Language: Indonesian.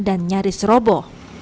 dan nyaris robo